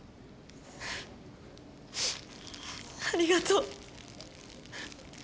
ふっありがとう。